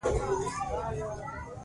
زموږ وخت لږ و، کتابتون مو ونه لید.